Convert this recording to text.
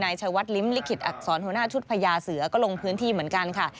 ชายวัดลิ้มลิขิตอักษรหัวหน้าชุดพญาเสือก็ลงพื้นที่เหมือนกันค่ะ